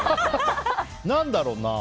何だろうな。